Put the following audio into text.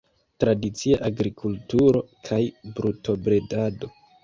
Tradicie agrikulturo kaj brutobredado.